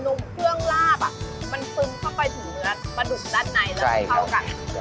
เครื่องลาบมันซึมเข้าไปถึงเนื้อปลาดุกด้านในแล้วมันเข้ากัน